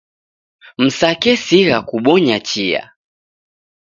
Msakesigha kubonya chia